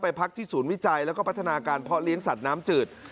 พักที่ศูนย์วิจัยแล้วก็พัฒนาการเพาะเลี้ยงสัตว์น้ำจืด